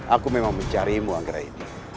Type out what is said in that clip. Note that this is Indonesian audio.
aku memang mencarimu anggraini